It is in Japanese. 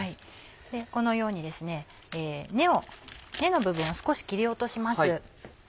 このように根の部分を少し切り落とします。